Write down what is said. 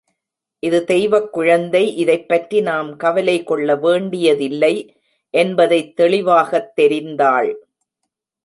இது தெய்வக் குழந்தை இதைப்பற்றி நாம் கவலைகொள்ள வேண்டிய தில்லை என்பதைத் தெளிவாகத் தெரிந்தாள்.